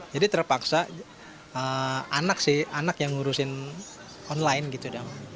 jadi terpaksa anak sih anak yang ngurusin online gitu